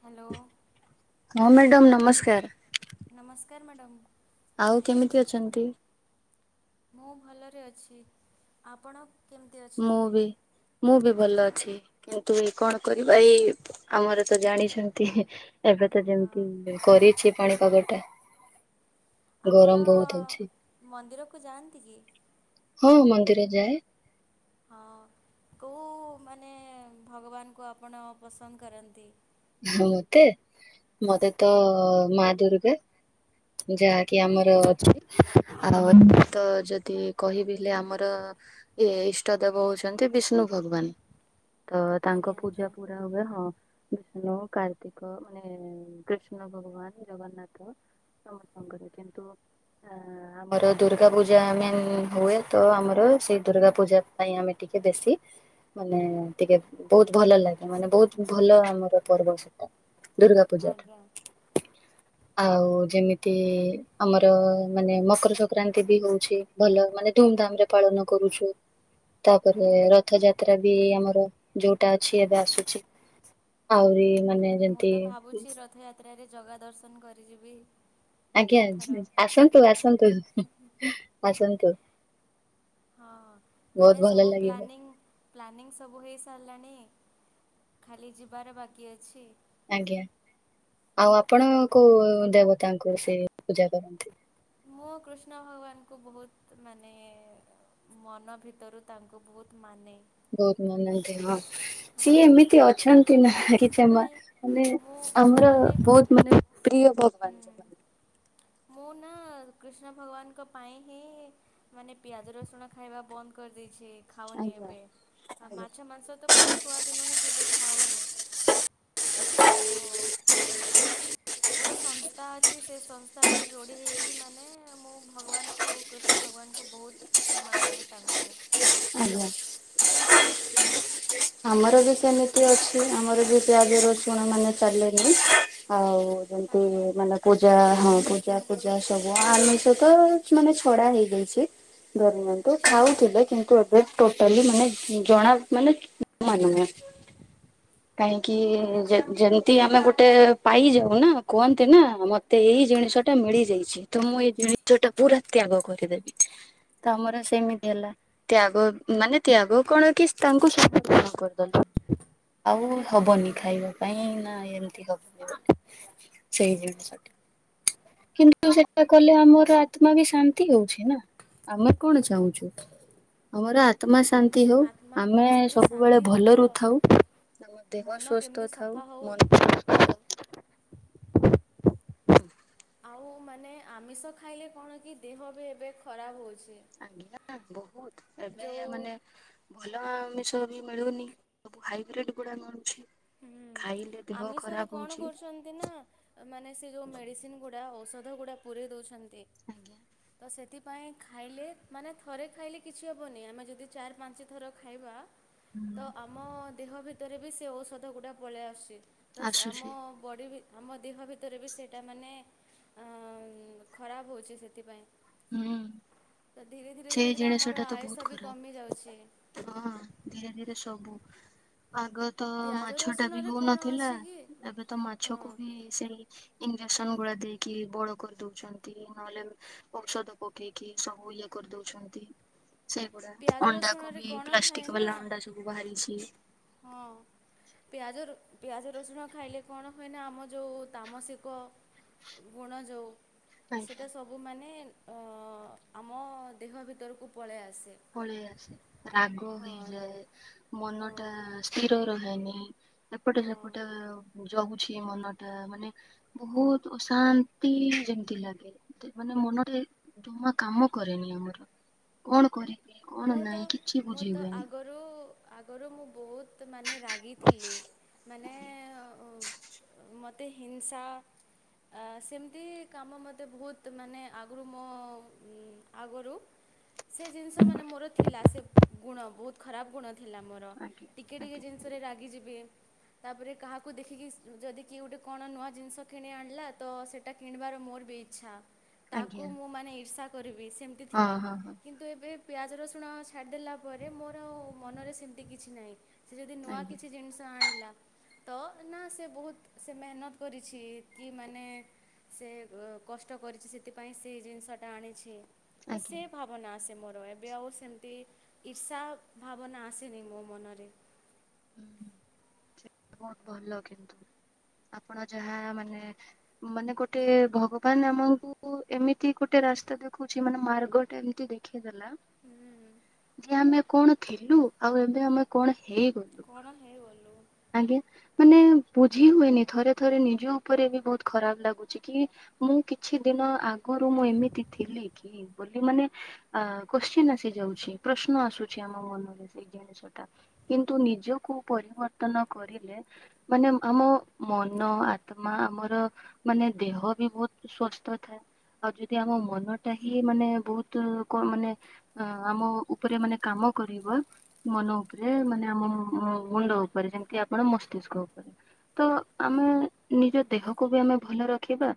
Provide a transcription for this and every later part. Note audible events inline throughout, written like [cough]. Hello. ହଁ madam ନମସ୍କାର। ନମସ୍କାର ମ୍ୟାଡ଼ାମ୍। ଆଉ କେମିତି ଅଛନ୍ତି? ମୁଁ ଭଲରେ ଅଛି ଆପଣ? କେମିତି ମୁଁ ଅଛନ୍ତି? ବି ମୁଁ ବି ଭଲ ଅଛି କିନ୍ତୁ ଏଇ କଣ କରିବା ଏଇ ଆମର ତ ଜାଣିଛନ୍ତି ଏବେ ତ ହଁ ଯେମିତି କରିଛି ପାଣି କବର ଟା ଗରମ ଆପଣ ବହୁତ ହଉଛି ମନ୍ଦିରକୁ ଯାଆନ୍ତି କି? ଯ ଯାଏ। ହଁ କୋଉ ମାନେ ଭଗବାନଙ୍କୁ ଆପଣ ପସନ୍ଦ କରନ୍ତି? ହଁ ମତେ ମତେ ତ ମା ଦୁର୍ଗା। ଯାହାକି ଆମର ଆଜ୍ଞା ଅଛି। ଆଉ ତ ଯଦି କହିବିଲେ ଆମର ଇଏ ଇଷ୍ଟ ଦେବ ହଉଛନ୍ତି ବିଷ୍ଣୁ ଭଗବାନ। ତ ଆଜ୍ଞା ତାଙ୍କ ଆଜ୍ଞା ପୂଜା ପୁରା ହୁଏ ହଁ। ବିଷ୍ଣୁ କାର୍ତ୍ତିକ ମାନେ କୃଷ୍ଣ ଭଗବାନ ଜଗନ୍ନାଥ ସମସ୍ତଙ୍କର କିନ୍ତୁ ଆମର ଦୁର୍ଗା ପୂଜା ମେନ୍ ହୁଏ ତ ଆମର ସେଇ ଦୁର୍ଗା ପୂଜା ପାଇଁ ଆମେ ଟିକେ ବେଶୀ ମାନେ ଟିକେ ବହୁତ ଭଲ ଲାଗେ ମାନେ ବହୁତ ଭଲ ଆମ [unintelligible] ଦୁର୍ଗା ପୂଜାଠ ଆଜ୍ଞା ଆଉ ଯେମିତି ଆମର ମାନେ ମକର ସଂକ୍ରାନ୍ତି ବି ହଉଛି ଭଲ ମାନେ ଧୁମ ଧାମ ରେ ପାଳନ କରୁଛୁ। ତାପରେ ହୁଁ। ରଥଯାତ୍ରା। ଟା ବି ଆମର ଯୋଉଟା ଅଛି ଏବେ ଆସୁଛି ଆହୁରି ମାନେ ଯେମତି ଯାତ୍ରାରେ ଜଗା ଦର୍ଶନ କରିଯିବି। ଆଜ୍ଞା ଏଥର। ଆସନ୍ତୁ ଆସନ୍ତୁ ଆସନ୍ତୁ ହଁ ବହୁତ ମାନେ ଭଲ ସବୁ ଲାଗିବ ପ୍ଲାନିଂ ପ୍ଲାନିଂ ସବୁ ହେଇ ସାରିଲାଣି ଖାଲି ଯିବାର ବାକି ଅଛି। ଆଜ୍ଞା ଆଉ ଆପଣ କୋଉ ଦେବତାଙ୍କୁ ସେ ପୂଜା କରନ୍ତି। ମୁଁ କୃଷ୍ଣ ଭଗବାନଙ୍କୁ ବହୁତ ମାନେ ମନ ଭିତରୁ ତାଙ୍କୁ ବହୁତ ମାନେ ବହୁତ ମାନନ୍ତି ସିଏ ହଁ ଏମିତି ଅଛନ୍ତି ନା କିଛି ସେଥିପାଇଁ ମାନେ ମୁଁ ଆମର ମାନେ ବହୁତ ମାନେ ପ୍ରିୟ ଭଗବାନ ହୁଁ ସେମାନେ ମୁଁ ନା କୃଷ୍ଣ ଭଗବାନଙ୍କ ପାଇଁ ହିଁ ମାନେ ପିଆଜ ରସୁଣ ଖାଇବା ବନ୍ଦ କରିଦେଇଛି। ଛି ଖାଉନି ଆଜ୍ଞା ଏବେ ଆଜ୍ଞା ମାଛ ମାଂସ ତ ଛୁଆଦିନୁହିଁ କେବେ ଖାଉନି ଆଉ [inaudible] ଗୋଟେ ସଂସ୍ଥା ଅଛି ସେ ସଂସ୍ଥାରୁ ଯୋଡ଼ି ହେଇକି ମାନେ ମୁଁ ଭଗବାନଙ୍କୁ କୃଷ୍ଣ ଭଗବାନଙ୍କୁ ବହୁତ ମାନେ ତାଙ୍କୁ ଆଜ୍ଞା ଆମର ବି ସେମିତି ଅଛି ଆମର ବି ପିଆଜି ର ଚୁଣ ମାନେ ଚାଲେଣିି ଆଉ ଯେମତି ଆଜ୍ଞା ମାନେ ପୂଜା ହଁ ପୂଜା ପୂଜା ସବୁ ଆମିଷ ତ ମାନେ ଛଡା ହେଇ ଦେଇଛି ଧରମ- ହୁଁ। ଖାଉଥିଲେ କିନ୍ତୁ- ଟୋଟାଲି ମାନେ ଜଣା ମାନେ ମାନୁନି କାହିଁକି ଯେ ଆଜ୍ଞା ଯେମିତି ଆମେ ଗୋଟେ ପାଇଯାଉ ନା କୁହନ୍ତି ନା ମତେ ଏଇ ଜିନିଷ ଟା ମିଳି ଯାଇଛି ତ ମୁଁ ଏଇ ଜିନିଷ ଟା ପୁରା ତ୍ୟାଗ କରିଦେବି ତ ଆମର ସେମିତି ହେଲା। ତ୍ୟାଗ ମାନେ ତ୍ୟାଗ କଣ କି ତାଙ୍କୁ ସର୍ମପଣ କରିଦେବା ଆଉ। ହବନି ଆଜ୍ଞା ଖାଇବା ପାଇଁ ନା। [inaudible] ସେଇ ଜିନିଷ ଟି କିନ୍ତୁ ସେଇଟା କଲେ ଆମର ଆତ୍ମା ବି ଶାନ୍ତି ହଉଛି ନା ଆମେ କଣ ଚାହୁଁଛୁ। ଆମର ଆତ୍ମ ଶାନ୍ତି ଶାନ୍ତି ହଉ ଆତ୍ମା ଆମେ କେମିତି ସବୁବେଳେ ଶାନ୍ତି ହେବ ଭଲରୁ ଥାଉ ଆମ ଦେହ ମନ ସୁସ୍ଥ କେମିତି ଥାଉ ସଫା ହଉ ମନ ଆଉ ମାନେ ଆମିଷ ଖାଇଲେ କଣ କି ଦେହ ବି ଏବେ ଖରାପ ହଉଛି। ଆଜ୍ଞା ବହୁତ ଏବେ ଯୋଉ ମାନେ ଭଲ ଆମିଷ ବି ମିଳୁନି ସବୁ ହାଇବ୍ରିଡ ଗୁଡା ମିଳୁଛି। ହୁଁ ଖାଇଲେ ଦେହ ଆମିଷରେ ଖରାପ କଣ ହଉଛି କରୁଛନ୍ତି ନା ମାନେ ସେ ଯୋଉ ମେଡିସିନ ଗୋଟେ ପୁରା ଔଷଧ ଗୁଡା ପୁରେଇ ଦଉଛନ୍ତି। ତ ଆଜ୍ଞା। ସେତିକି ସେଥିପାଇଁ ଖାଇଲେ ମାନେ ଥରେ ଖାଇଲେ କିଛି ହେବନି ଆମେ ଯଦି ଚାରି ପାଞ୍ଚ ଥର ଖାଇବା ତ ଆମ ଦେହ ଭି ଖତ ରେ ବି ସେ ଔଷଧ ଗୁଡା ପଳେଇ ଆସୁଛି। ତ ସେ ଆସୁଛି ଆମ ବଡି ବି ଆମ ଦେହ ଭିତରେ ବି ସେଇଟା ମାନେ ଅ ଖରାପ ହେଉଛି ସେଥିପାଇଁ ହୁଁ। ତ ଧୀରେ ଧୀରେ ଧୀରେ ସେଇ ଧୀରେ ଆମର ଜିନିଷ ଟା ତ ଆୟୁଷ ବହୁତ ବି କମିଯାଉଛି ଖରାପ ହଁ ଧୀରେ ଧୀରେ ସବୁ ଆଗ ତ ପିଆଜ ମାଛ ଟା ବି ରସୁଣରେ କ'ଣ ହଉନଥିଲା ଅଛି କି ଏବେ ତ ହଁ ମାଛକୁ ବି ସେଇ ବେସନ ଗୁଳା ଦେଇକି ବଳ କରିଦଉଛନ୍ତି ନହେଲେ ଔଷଧ ପକେଇକି ସବୁ କରିଦଉଛନ୍ତି। ସେଇଗୁଡା ପିଆଜ ଅଣ୍ଡା କୁ ରସୁଣରେ ବି କ'ଣ ଥାଏ ପ୍ଲାଷ୍ଟିକ ନା ବାଲା ଅଣ୍ଡା ସବୁ ବାହାରିଛି। ହଁ ପିଆଜ ରୁ ପିଆଜ ରସୁଣ ଖାଇଲେ କଣ ହୁଏନା ଆମ ଯୋଉ ତାମସିକ ଗୁଣ ଯୋଉ ଆଜ୍ଞା ସେଇଟା ସବୁମାନେ ଅ ଆମ ଦେହ ଭିତରକୁ ପଳେଇ ଆସେ। ପଳେଇ ଆସେ ରାଗ ହଁ ହେଇଯାଏ ମନ ହଁ ଟା କ୍ଷୀର ଗୁରା ହୁଏନି। ଏପଟେ ହଁ ସେପଟେ ହ ଜଗୁଛି ମନଟା ମାନେ ବହୁତ ଅଶାନ୍ତି ଯେମିତି ଲାଗେ, ତେ ମାନେ ମନରେ ଜମା କାମ କରେନି ଆମର କଣ କରେ। ମୁଁ ତ ମୁଁ ତ ଆଗରୁ ଆଗରୁ ମୁଁ ବହୁତ ତ ମାନେ ରାଗିଥିଲେ ମାନ ଅ, ମୋତେ ହିଂସା ଆ, ସେମତି କାମ ମୋତେ ବହୁତ ମାନେ ଆଗରୁ ମୋ ଉଁ, ଆଗରୁ ସେ ଯେ ସେମାନେ ମୋର ଥିଲା ସେ ଗୁଣ ବହୁତ ଖରାପ ଗୁଣ ଥିଲା ମୋର ଆଜ୍ଞା ଆଜ୍ଞା ଟିକେ ଟିକେ ଆଜ୍ଞା ଜିନିଷରେ ରାଗିଯିବେ। ତାପରେ କାହାକୁ ଦେଖିକି ଯଦି କିଏ ଗୋଟେ କଣ ନୂଆ ଜିନିଷ କିଣି ଆଣିଲା ତ ସେଟା କିଣିବାର ମୋର ବି ଇଚ୍ଛା। ତାକୁ ଆଜ୍ଞା ମୁଁ ମାନେ ଇର୍ଷା କରିବି, ସେମିତି ହଁ ଥିଲା ହଁ ହଁ କିନ୍ତୁ ଏବେ ପିଆଜ ରସୁଣ ଛାଡ଼ିଦେଲା ପରେ ମୋର ଆଉ ମନରେ ସେମିତି କିଛି ନାହିଁ। ସେ ଯଦି ନୂଆ ଆଜ୍ଞା କିଛି ଜିନିଷ ଆଣିଲା ତ ନା ସେ ବହୁତ ସେ ମେହନତ କରିଛି କି ମାନେ ସେ ଅ, କଷ୍ଟ କରିଛି ସେଥିପାଇଁ ସେ ଜିନିଷଟା ଆଣିଛି। ତ ସେ ଆଜ୍ଞା। ଭାବନା ଆସେ ମୋର। ଏବେ ଆଉ ସେମିତି ଇର୍ଷା ଭାବନା ଆସିନି ମୋ ମନରେ। ଉଁ ହୁଁ। ସେ ବହୁତ ଭଲ କିନ୍ତୁ ଆପଣ ଯାହା ମାନେ ମାନେ ଗୋଟେ ଭଗବାନ ଆମକୁ ଏମିତି ଗୋଟେ ରାସ୍ତା ଦେଖୁଛି, ମାନେ ମାର୍ଗଟା ଏମିତି ଦେଖିଇଦେଲା ହୁଁ। ଏ ଆମେ କଣ ଥିଲୁ ଆଉ ଏବେ ଆମେ କଣ ହେଇଗଲୁ। କଣ ହେଇଗଲୁ। ଆଜ୍ଞା ମାନେ ବୁଝି ହୁଏନି, ଥରେ ଥରେ ନିଜ ଉପରେ ବି ବହୁତ ଖରାପ ଲାଗୁଛି, କି ମୁଁ କିଛି ଦିନ ଆଗରୁ ମୁଁ ଏମିତି ଥିଲି କି ବୋଲି ମାନେ ଆ, କୋଶ୍ଚିନ ଆସିଯାଉଛି, ପ୍ରଶ୍ନ ଆସୁଛି ଆମ ମନରେ, ସେଇ ଜିନିଷ ଟା କିନ୍ତୁ ନିଜକୁ ପରିବ ତନ କରିଲେ ମାନେ ଆମ ମନ ଆତ୍ମା ଆମର ମାନେ ଦେହ ବି ବହୁତ ସୁସ୍ଥ ଥାଏ, ଆଉ ଯଦି ଆମ ମନଟା ହିଁ ମାନେ ବହୁତ କ-ମାନେ ଅଁ, ଆମ ଉପରେ ମାନେ କାମ କରିବ ମନ ଉପରେ ମାନେ ଆମ ମୁ-ମୁ-ମୁଣ୍ଡ ଉପରେ ଯେମିତି ଆପଣ ମସ୍ତିଷ୍କ ଉପରେ, ତ ଆମେ ନିଜ ଦେହକୁ ବି ଆମେ ଭଲ ରଖିବା,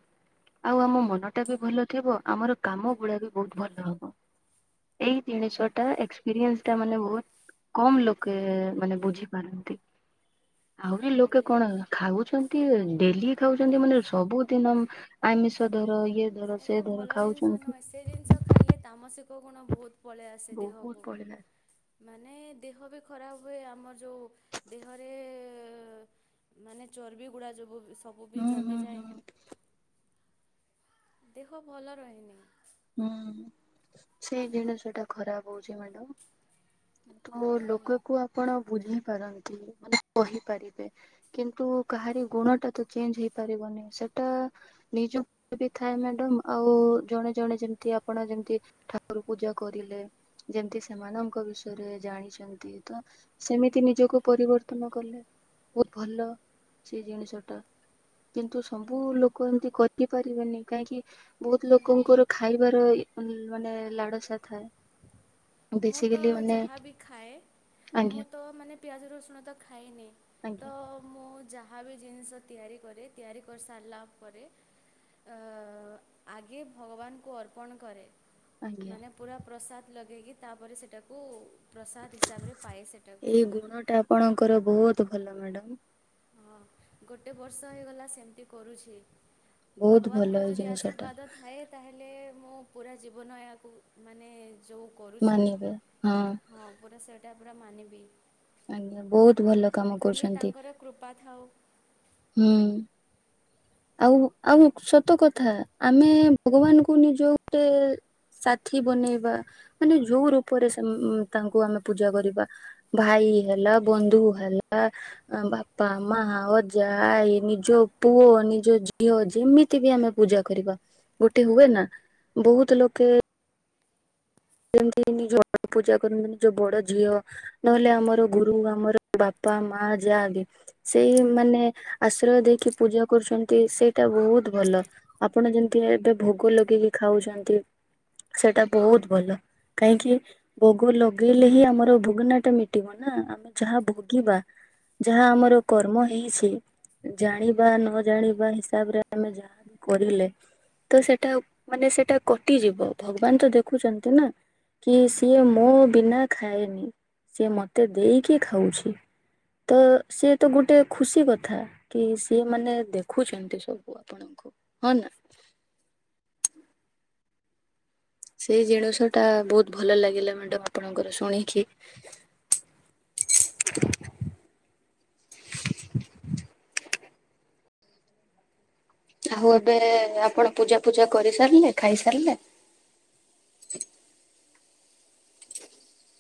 ଆଉ ଆମ ମନଟା ବି ଭଲ ଥିବ, ଆମର କାମ ଗୁଡା ବି ବହୁତ ଭଲ ହବ। ଏଇ ହଁ ଜିନିଷଟା ଏକ୍ସପିରିଏନ୍ସ ତା ମାନେ ବହୁତ କମ ଲୋକେ ମାନେ ବୁଝିପାରନ୍ତି। ଆହୁରି ଲୋକେ ଆଜ୍ଞା। କଣ ଖାଉଛନ୍ତି ଡେଲି ଖାଉଚନ୍ତି ମାନେ ସବୁଦିନ ଆମିଷ ଧର ଇଏ ଧର ସେ ସେଇଟା ଧର ଭଲ ଜିନିଷ ଖାଉଛନ୍ତି ନୁହେଁ ସେ ଜିନିଷ ଖାଇଲେ ତାମସିକ ଗୁଣ ବହୁତ ପଳେଇ ଆସେ ବହୁତ ଦେହକୁ। ପଢିଲା। ମାନେ ଦେହ ବି ଖରାପ ହୁଏ ଆମର ଯୋଉ ଦେହରେ ମାନେ ଚର୍ବି ଗୁଡ଼ା ଯୋଗୁ ସବୁ ବି ହଁ, ହଁ, ଜମିଯାଏ ହଁ। ଦେହ ଭଲ ରହେନି। ହୁଁ ସେଇ ଜିନିଷଟା ଖରାପ ହଉଛି ମ୍ୟାଡାମ୍। ତୁମ ହୁଁ ଲୋକକୁ ଆପଣ ବୁଝି ପାରନ୍ତି ମାନେ କହିପାରିବେ, କିନ୍ତୁ କାହାରି ଗୁଣ ଟା ତ ଚେଞ୍ଜ ହେଇପାରିବନି, ସେଟା ନିଜକୁ ବି ଥାଏ ମ୍ୟାଡାମ୍ ଆଉ ଜଣେ ଜଣେ ଯେମତି ଆପଣ ଯେମିତି ଠାକୁର ପୂଜା କରିଲେ, ଯେମିତି ସେମାନଙ୍କ ବିଷୟରେ ଜାଣିଛନ୍ତି, ତ ସେମିତି ନିଜକୁ ପରିବର୍ତ୍ତନ କଲେ ବହୁତ ଭଲ ସେ ଜିନିଷ ଟା, କିନ୍ତୁ ସବୁ ଲୋକ ଏମିତି କରି ପାରିବେନି, କାହିଁକି ବହୁତ ହୁଁ ହୁଁ ଲୋକଙ୍କର ଖାଇବାର ମାନେ ମାନେ ଲାଳସା ଥାଏ। ମୁଁ ତ ବେସିକାଲି ମାନେ ଯାହାବି ଖାଏ ଆଜ୍ଞା ମୁଁ ତ ମାନେ ପିଆଜ ରସୁଣ ତ ଖା ଖାଏନି। ଆଜ୍ଞା ଯାହା ବି ଜିନିଷ ତିଆରି କରେ ତିଆରି କରିସାରିଲା ପରେ ଆଗେ ଭଗବାନଙ୍କୁ ଅର୍ପଣ କରେ। ଆଜ୍ଞା ମାନେ ପୁରା ପ୍ରସାଦ ଲାଗେଇକି। ତାପରେ ସେଟାକୁ ପ୍ରସାଦ ହିସାବରେ ପାଏ ସେଟାକୁ ଏଇ ଗୁଣ ଟା ଆପଣଙ୍କର ବହୁତ ତ ଭଲ ମ୍ୟାଡ଼ାମ। ହଁ ଗୋଟେ ବର୍ଷ ହେଇଗଲା ସେମିତି କରୁଛି। ବହୁତ ଭଲ ଭଗବାନଙ୍କର ଏଇ ଯଦି ଜିନିଷ ଟା ଆଶୀର୍ବାଦ ଥାଏ ତାହେଲେ ମୁଁ ପୁରା ଜୀବନ ଏହାକୁ ମାନେ ଯୋଉ କରୁଛି ହଁ ପୁରା ସେଇଟା ପୁରା ମାନିବି। ଆଜ୍ଞା ବହୁତ ଭଲ। କାମ ଖାଲି କରୁଛନ୍ତି ତାଙ୍କର କୃପା ଥାଉ ହୁଁ। ଆଉ ଆଉ ସତ କଥା ଆମେ ଭଗବାନଙ୍କୁ ନିଜ ଗୋଟେ ସାଥି ବନେଇବା ମାନେ ଯୋଉ ରୂପରେ ସେ ତାଙ୍କୁ ଆମେ ପୂଜା କରିବା ଭାଇ ହେଲା ବନ୍ଧୁ ହେଲା ବାପା ମାଆ ଅଜା ଆଇ ନିଜ ପୁଅ ନିଜ ଝିଅ ଯେମିତି ବି ଆମେ ପୂଜା କରିବା ଗୋଟେ ହୁଏ ନା ବହୁତ ଲୋକେ ଯେମିତି ନିଜ ପୂଜା କରନ୍ତିନି ଯୋଉ ବଡ ଝିଅ ନହେଲେ ଆମର ଗୁରୁ ଆମର ବାପା ମା ଯାହା ବି ସେଇ ମାନେ ଆଶ୍ରୟ ଦେଇକି ପୂଜା କରୁଛନ୍ତି ସେଇଟା ବହୁତ ଭଲ ଆପଣ ଯେମିତି ଏବେ ଭୋଗ ଲଗେଇକି ଖାଉଛନ୍ତି ସେଇଟା ବହୁତ ଭଲ। କାହିଁକି ଭୋଗ ଲଗେଇଲେ ହିଁ ଆମର ଭୋଗନା ଟା ମିଟିବ ନା ଆମେ ଯାହା ଭୋଗିବା ଯାହା ଆମର କର୍ମ ହେଇଛି ଜାଣିବା ନ ଜାଣିବା ହିସାବରେ ଆମେ ଯାହା ବି କରିଲେ ତ ସେଟା ମାନେ ସେଟା କଟିଯିବ ଭଗବାନ ତ ଦେଖୁଛନ୍ତି ନା। କି ସିଏ ମୋ ବିନା ଖାଏନି ସିଏ ମତେ ଦେଇକି ଖାଉଛି ତ ସିଏ ତ ଗୋଟେ ଖୁସି କଥା କି ସିଏ ମାନେ ଦେଖୁଛନ୍ତି ସବୁ ଆପଣଙ୍କୁ ହଁ ନା। ସେଇ ଜିନିଷ ଟା ବହୁତ ଭଲ ଲାଗିଲା ମ୍ୟାଡ଼ାମ ଆପଣଙ୍କର ଶୁଣିକି। ଆଉ ଏବେ ଆପଣ ପୂଜା ଫୁଜା କରିସାରିଲେ ଖାଇ ସାରିଲେ। [inaudible]